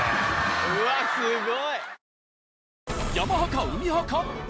うわすごい！